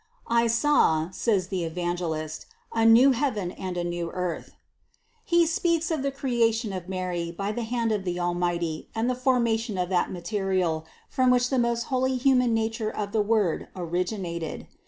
"I saw," says the Evangelist, "a new heaven and a new earth." He speaks of the creation of Mary by the hand of the Almighty and the formation of that material, from which the most holy human nature of the Word originated.